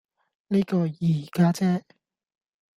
呢個二家姐